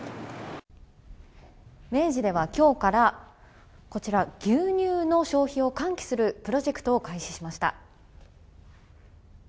明治ではきょうから、こちら、牛乳の消費を喚起するプロジェクトを開始しました。